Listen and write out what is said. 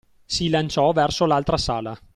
Si lanciò verso l'altra sala.